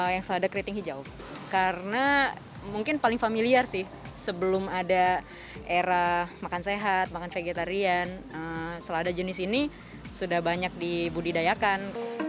yang selada keriting hijau karena mungkin paling familiar sih sebelum ada era makan sehat makan vegetarian selada jenis ini sudah banyak dibudidayakan